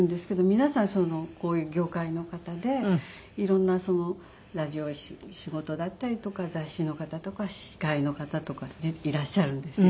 皆さんこういう業界の方で色んなラジオの仕事だったりとか雑誌の方とか司会の方とかいらっしゃるんですよ。